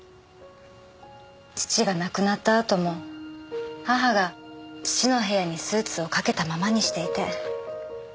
父が亡くなったあとも母が父の部屋にスーツを掛けたままにしていて。